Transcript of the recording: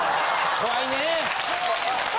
怖いねぇ！